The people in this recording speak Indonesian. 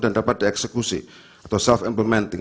dan dapat dieksekusi atau self implementing